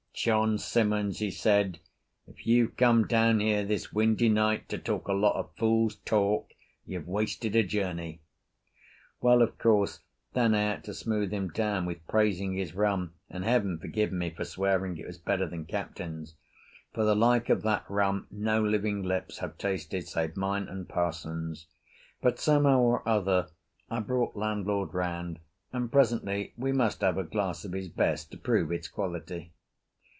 "John Simmons," he said, "if you've come down here this windy night to talk a lot of fool's talk, you've wasted a journey." Well, of course, then I had to smooth him down with praising his rum, and Heaven forgive me for swearing it was better than Captain's. For the like of that rum no living lips have tasted save mine and parson's. But somehow or other I brought landlord round, and presently we must have a glass of his best to prove its quality.